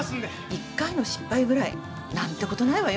一回の失敗ぐらい何てことないわよ。